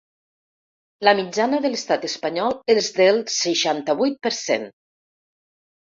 La mitjana de l’estat espanyol és del seixanta-vuit per cent.